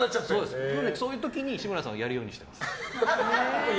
そういう時に志村さんをやるようにしてます。